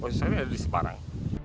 posisi saksi di semarang